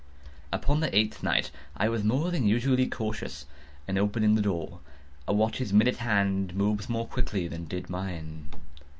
Upon the eighth night I was more than usually cautious in opening the door. A watch's minute hand moves more quickly than did mine.